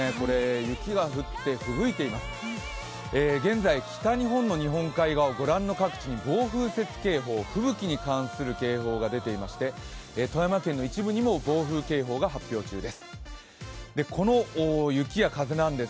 雪が降ってふぶいています、現在、北日本の日本海側はご覧の各地に暴風雪警報、吹雪に関する警報が出ていまして、富山県の一部にも暴風警報が発表中です。